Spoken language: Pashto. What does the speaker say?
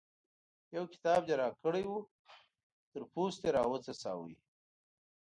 يو کتاب دې راکړی وو؛ تر پوست دې راوڅڅاوو.